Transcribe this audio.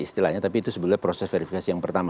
istilahnya tapi itu sebenarnya proses verifikasi yang pertama